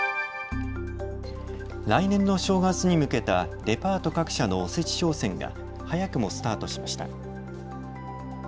来年の正月に向けたデパート各社のおせち商戦が早くもスタートしました。